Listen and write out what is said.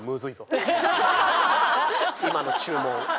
今の注文。